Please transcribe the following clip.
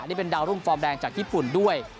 นี่เป็นดาวรุ่งฟอร์มแดงจากญี่ปุ่นด้วย